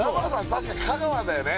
確か香川だよね